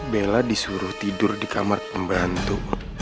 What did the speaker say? bella disuruh tidur di kamar pembantu